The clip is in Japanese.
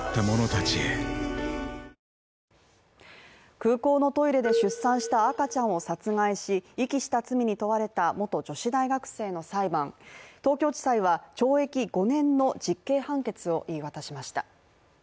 空港のトイレで出産した赤ちゃんを殺害し遺棄した罪に問われた元女子大学生の裁判で、東京地裁は懲役５年の実刑判決を言い渡しました。